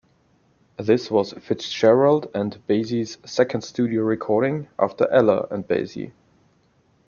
This was Fitzgerald and Basie's second studio recording after Ella and Basie!